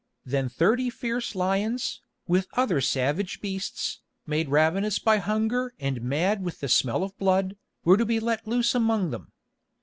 Then thirty fierce lions, with other savage beasts, made ravenous by hunger and mad with the smell of blood, were to be let loose among them.